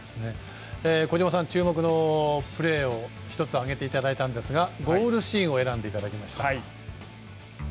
小島さん、注目のプレーを１つ、挙げていただいたんですがゴールシーンを選んでいただきました。